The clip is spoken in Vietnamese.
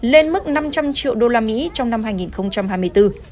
lên mức năm trăm linh triệu đô la mỹ trong năm hai nghìn hai mươi bốn